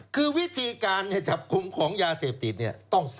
คือวิธีการจับคุมของยาเสพติดเนี่ย